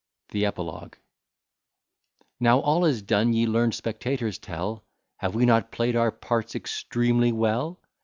THE EPILOGUE Now all is done, ye learn'd spectators, tell Have we not play'd our parts extremely well?